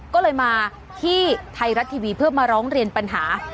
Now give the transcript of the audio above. ก็เลยมาที่ไทยรัฐทีวีเพื่อมาร้องเรียนปัญหา